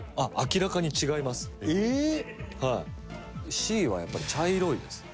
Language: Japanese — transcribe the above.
Ｃはやっぱり茶色いです。